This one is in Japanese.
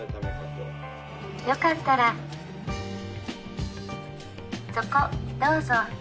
よかったらそこどうぞ。